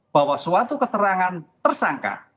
bahwa suatu keterangan tersangka